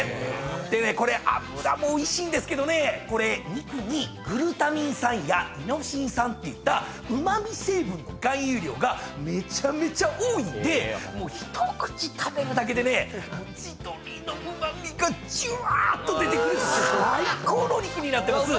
でねこれ脂もおいしいんですけど肉にグルタミン酸やイノシン酸といったうま味成分の含有量がめちゃめちゃ多いんでもう一口食べるだけでね地鶏のうま味がじゅわーっと出てくる最高のお肉になってます。